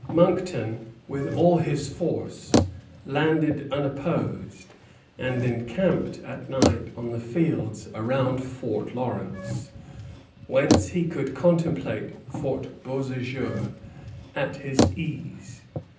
Monckton, with all his force, landed unopposed, and encamped at night on the fields around Fort Lawrence, whence he could contemplate Fort Beauséjour at his ease.